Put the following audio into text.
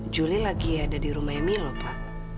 julie lagi ada di rumah emil loh pak